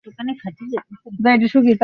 ওরা বলেছে তুমি ব্ল্যাক মার্কেটের বিজনেস করো।